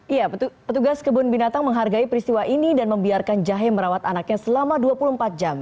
iya petugas kebun binatang menghargai peristiwa ini dan membiarkan jahe merawat anaknya selama dua puluh empat jam